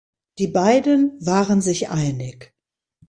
Die beiden waren sich einig.